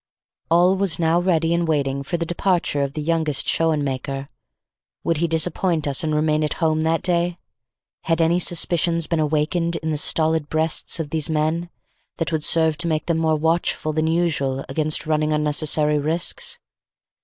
All was now ready and waiting for the departure of the youngest Schoenmaker. Would he disappoint us and remain at home that day? Had any suspicions been awakened in the stolid breasts of these men, that would serve to make them more watchful than usual against running unnecessary risks?